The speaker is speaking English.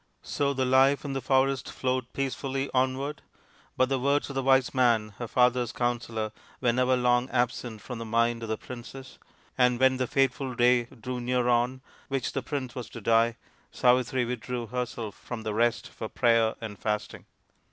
So the life in the forest flowed peacefully onward ; but the words of the wise man, her father's counsellor, were never long absent from the mind of the princess, and when the fateful day drew near on which the prince was to die, Savitri withdrew herself from the rest for prayer and fasting.